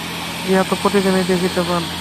ইহা তো প্রতিদিনই দেখিতে পান।